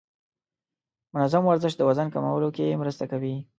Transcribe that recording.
منظم ورزش د وزن کمولو کې مرسته کوي.